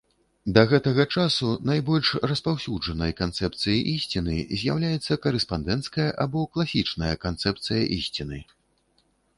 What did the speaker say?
Да гэтага часу найбольш распаўсюджанай канцэпцыяй ісціны з'яўляецца карэспандэнцкая або класічная канцэпцыя ісціны.